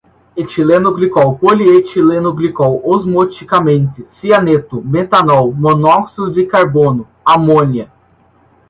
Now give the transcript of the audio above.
etilenoglicol, polietilenoglicol, osmoticamente, cianeto, metanol, monóxido de carbono, amônia